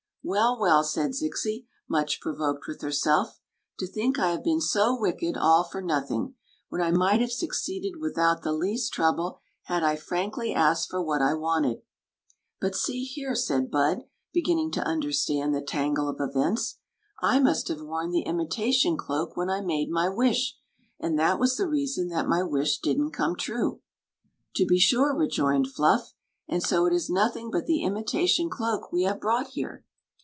" Well, well !" said Zixi, much provoked with her self "To think I have been so wicked all for noth ing, when I might have succeeded without the least trouble had I frankly asked for what I wanted !"" But — see here !" said Bud, beginning to under stand the tangle of events; "I must have worn ^e imitation cloak when I made my wish, and that was the reason that my wish did n't come true." " To be sure," rejoined Fluff. " And so it is noth ing but the imitation cloak we have ImHtght here."